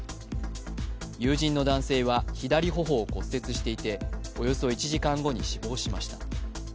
友人の男性は左頬を骨折していておよそ１時間後に死亡しました。